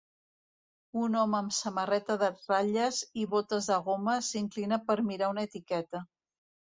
Un home amb samarreta de ratlles i botes de goma s'inclina per mirar una etiqueta.